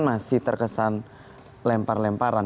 masih terkesan lempar lemparan